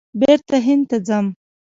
بېرته هند ته ځم !